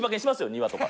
庭とか。